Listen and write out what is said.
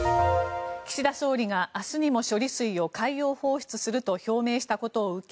岸田総理が明日にも処理水を海洋放出すると表明したことを受け